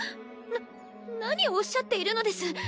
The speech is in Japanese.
な何をおっしゃっているのです。